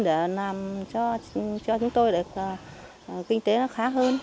để làm cho chúng tôi được kinh tế nó khác hơn